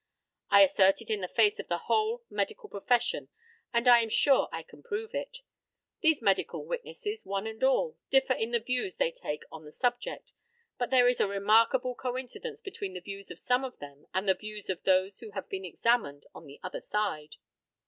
I assert it in the face of the whole medical profession, and I am sure I can prove it. These medical witnesses, one and all, differ in the views they take on the subject; but there is a remarkable coincidence between the views of some of them and the views of those who have been examined on the other side.